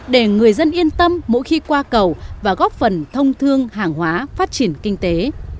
để người dân yên tâm mỗi khi qua cầu và góp phần thông thương hàng hóa phát triển kinh tế